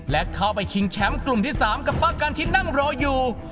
และเข้าไปชิงแชมป์กลุ่มที่๓กับป้ากันที่นั่งรออยู่